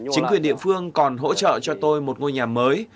chính quyền địa phương còn hỗ trợ cho tôi một ngôi nhà mới